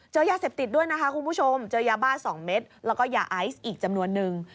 เจอยาเสพติดด้วยนะคะคุณผู้ชมเจอยาบ้า๒เม็ดแล้วก็ยาไอซ์อีกจำนวนนึง